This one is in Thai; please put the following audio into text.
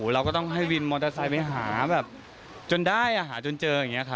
เราก็ต้องให้วินมอเตอร์ไซด์ไปหาจนได้หาจนเจอ